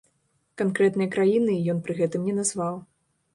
Канкрэтныя краіны ён пры гэтым не назваў.